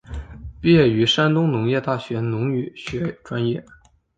毕业于山东农业大学农学专业。